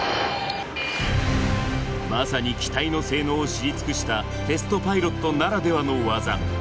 まさに機体の性能を知り尽くしたテストパイロットならではの技。